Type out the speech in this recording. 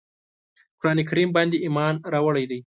قرآن کریم باندي ایمان راوړی دی.